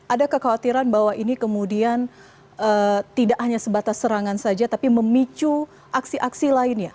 ada kekhawatiran bahwa ini kemudian tidak hanya sebatas serangan saja tapi memicu aksi aksi lainnya